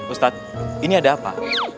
ustadz ini ada apa